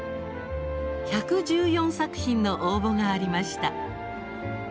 １１４作品の応募がありました。